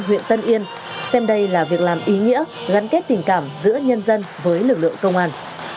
huyện tân yên xem đây là việc làm ý nghĩa gắn kết tình cảm giữa nhân dân với lực lượng công an